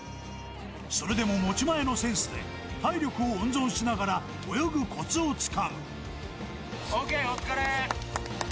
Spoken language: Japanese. それでも持ち前のセンスで、体力を温存しながら泳ぐこつをつＯＫ、おつかれ。